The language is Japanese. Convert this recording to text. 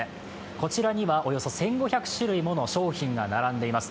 こちらにはおよそ１５００種類もの商品が並んでいます。